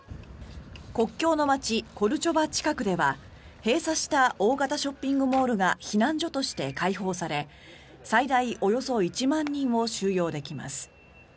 国境の街コルチョバ近くでは閉鎖した大型ショッピングモールが避難所として開放され最大およそ１万人を収容できます。